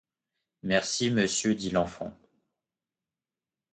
Merci, monsieur, dit l’enfant.